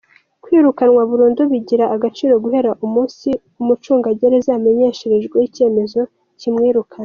Kwirukanwa burundu bigira agaciro guhera umunsi umucungagereza yamenyesherejweho icyemezo kimwirukana.